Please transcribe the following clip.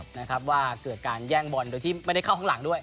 นะครับว่าเกิดการแย่งบอลโดยที่ไม่ได้เข้าข้างหลังด้วย